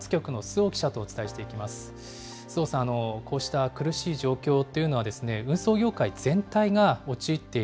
周防さん、こうした苦しい状況というのは、運送業界全体が陥って